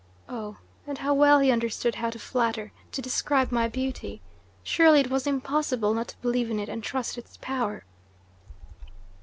Oh, and how well he understood how to flatter, to describe my beauty! Surely it was impossible not to believe in it and trust its power!"